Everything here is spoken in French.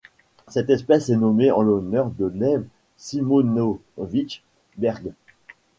Cette espèce est nommée en l'honneur de Lev Simonovich Berg.